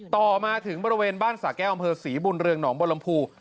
ต่อมาถึงบริเวณบ้านสาแก้วอำเภอศรีบุญเรืองหนองบรมภู